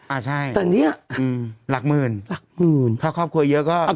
อ่าใช่แต่เนี้ยอืมหลักหมื่นหลักหมื่นถ้าครอบครัวเยอะก็